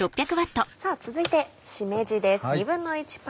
さぁ続いてしめじです。